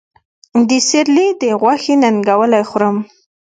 د سېرلي د غوښې ننګولی خورم